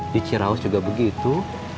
di ciraus juga begitu